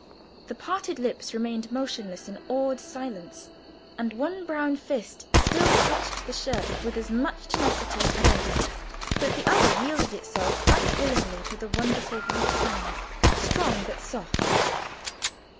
The parted lips remained motionless in awed silence, and one brown fist still clutched the shirt with as much tenacity as ever; but the other yielded itself quite willingly to the wonderful white hand, strong but soft.